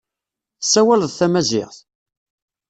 Tessawaleḍ tamaziɣt?